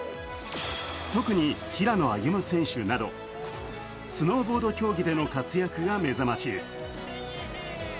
特に平野歩夢選手など、スノーボード競技での活躍が目覚ましい。